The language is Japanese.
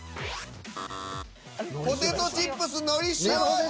ポテトチップスのりしお味。